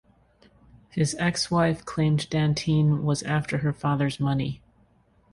His ex-wife claimed Dantine was after her father's money.